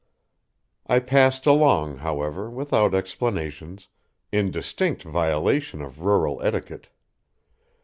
I passed along, however, without explanations in distinct violation of rural etiquette.